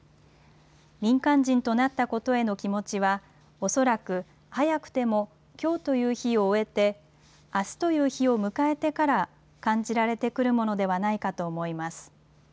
民間人となったことへの気持ちは、おそらく、早くてもきょうという日を終えて、あすという日を迎えてから感じられてくるものではないかと思います。